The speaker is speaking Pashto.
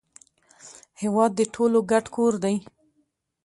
هیواد د ټولو ګډ کور دی